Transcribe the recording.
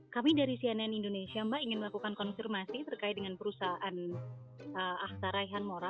kami dari cnn indonesia mbak ingin melakukan konfirmasi terkait dengan perusahaan ahtar raihan mora